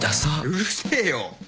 うるせぇよ。